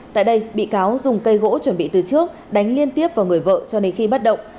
tại đây bị cáo dùng cây gỗ chuẩn bị từ trước đánh liên tiếp vào người vợ cho đến khi bắt động